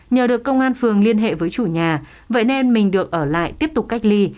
nhờ được công an phường liên hệ với chủ nhà vậy nên mình được ở lại tiếp tục cách ly